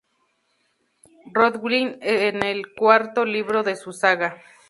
Rowling en el cuarto libro de su saga.